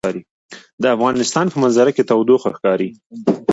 د افغانستان په منظره کې تودوخه ښکاره ده.